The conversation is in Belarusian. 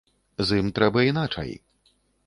З ім трэба іначай.